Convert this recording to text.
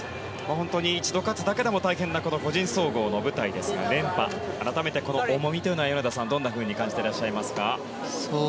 本当に一度勝つだけでも大変な個人総合の舞台ですから改めてこの重みというのは米田さん、どのように感じていらっしゃいますか。